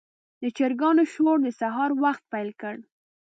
د چرګانو شور د سهار وخت پیل کړ.